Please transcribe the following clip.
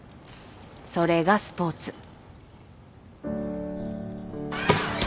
それがスポーツ。